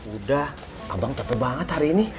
udah abang tepuk banget hari ini